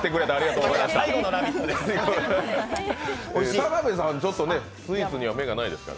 田辺さん、ちょっとスイーツには目がないですから。